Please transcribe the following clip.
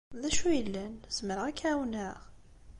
D acu yellan? Zemreɣ ad k-ɛawneɣ?